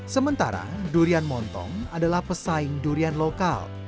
sementara durian montong adalah pesaing durian lokal